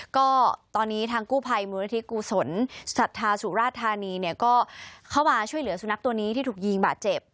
ก็ตอนนี้ทางกู้ภัยมูลนิธิกุศลสัทธาสุราธานีเนี่ยก็เข้ามาช่วยเหลือสุนัขตัวนี้ที่ถูกยิงบาดเจ็บ